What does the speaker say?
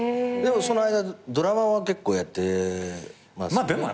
その間ドラマは結構やってますよね。